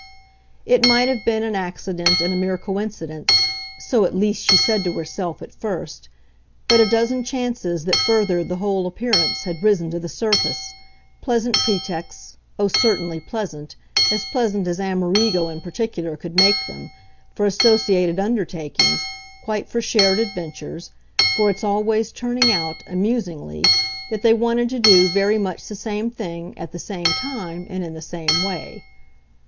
It might have been an accident and a mere coincidence so at least she said to herself at first; but a dozen chances that furthered the whole appearance had risen to the surface, pleasant pretexts, oh certainly pleasant, as pleasant as Amerigo in particular could make them, for associated undertakings, quite for shared adventures, for its always turning out, amusingly, that they wanted to do very much the same thing at the same time and in the same way.